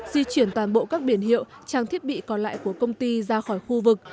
di chuyển toàn bộ các biển hiệu trang thiết bị còn lại của công ty ra khỏi khu vực